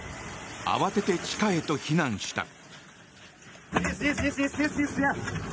慌てて地下へと避難した。